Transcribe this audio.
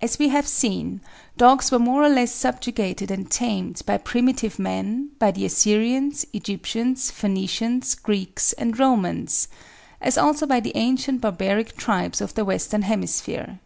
As we have seen, dogs were more or less subjugated and tamed by primitive man, by the Assyrians, Egyptians, Phoenicians, Greeks, and Romans, as also by the ancient barbaric tribes of the western hemisphere.